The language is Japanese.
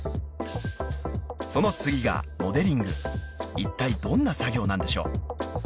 ［いったいどんな作業なんでしょう］